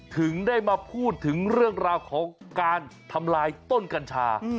ถึงได้มาพูดถึงเรื่องราวของการทำลายต้นกัญชา